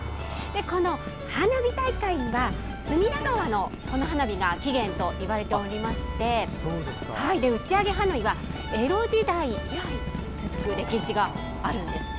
この花火大会は隅田川の花火が起源といわれておりまして打ち上げ花火は江戸時代以来続く歴史があるんですね。